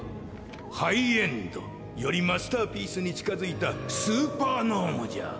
ハイエンド！よりマスターピースに近づいたスーパー脳無じゃ！